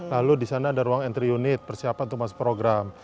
lalu di sana ada ruang entry unit persiapan untuk masuk program